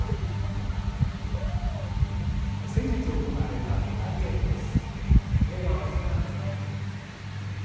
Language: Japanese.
先月行われた舞台稽古です。